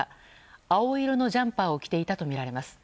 青色のジャンパーを着ていたとみられます。